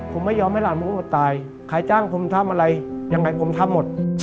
ผมไม่ยอมให้หลานผมอดตายใครจ้างผมทำอะไรยังไงผมทำหมด